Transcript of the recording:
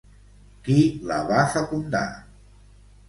Qui la va fecundar?